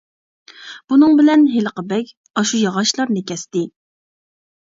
بۇنىڭ بىلەن ھېلىقى بەگ. ئاشۇ ياغاچلارنى كەستى.